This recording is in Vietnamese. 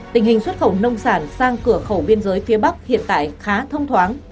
tình hình xuất khẩu nông sản sang cửa khẩu biên giới phía bắc hiện tại khá thông thoáng